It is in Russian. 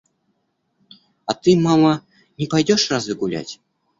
А ты, мама, не пойдёшь разве гулять?